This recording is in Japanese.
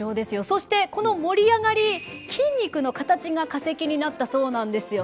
そしてこの盛り上がり筋肉の形が化石になったそうなんですよね。